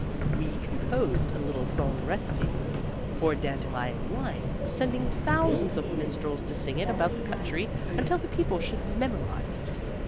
"We composed a little song recipe for dandelion wine, sending thousands of minstrels to sing it about the country until the people should memorize it.